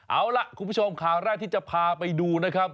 เอาล่ะคุณผู้ชมข่าวแรกที่จะพาไปดูนะครับ